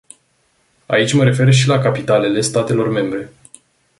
Aici mă refer și la capitalele statelor membre.